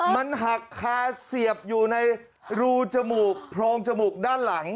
มันหักคาเสียบอยู่ในรูจมูกโพรงจมูกด้านหลัง